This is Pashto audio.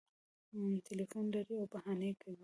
ټلیفون لري او بهانې کوي